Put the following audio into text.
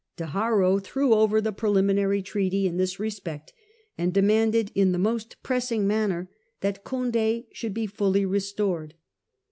De Haro threw over the preliminary treaty in this respect, and demanded in the most pressing manner that Condd should be fully restored.